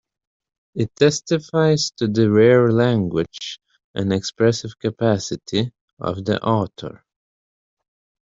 It testifies to the rare language - and expressive capacity - of the author.